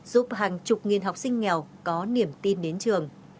giúp hàng chục nghìn học sinh nghèo có niềm tin đến trường